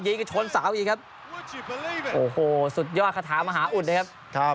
ชนเสาอีกครับโอ้โหสุดยอดคาถามหาอุดเลยครับครับ